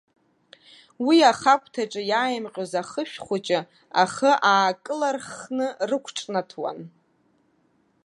Уи ахагәҭаҿы иааимҟьоз ахышә хәыҷы ахы аакыларххны рықәҿнаҭуан.